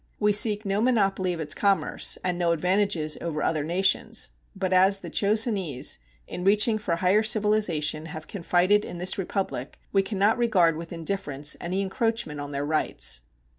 We seek no monopoly of its commerce and no advantages over other nations, but as the Chosenese, in reaching for a higher civilization, have confided in this Republic, we can not regard with indifference any encroachment on their rights.